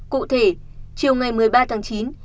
cụ thể chiều ngày một mươi ba tháng chín